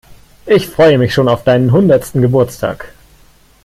Ich freue mich schon auf deinen hundertsten Geburtstag.